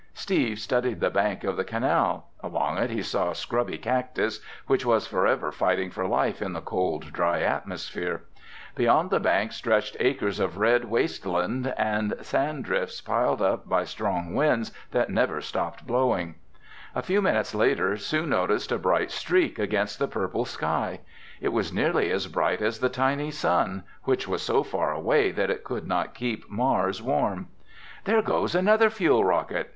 Steve studied the bank of the canal. Along it he saw scrubby cactus, which was forever fighting for life in the cold, dry atmosphere. Beyond the bank stretched acres of red wasteland, and sand drifts piled up by strong winds that never stopped blowing. A few minutes later, Sue noticed a bright streak against the purple sky. It was nearly as bright as the tiny sun, which was so far away that it could not keep Mars warm. "There goes another fuel rocket!"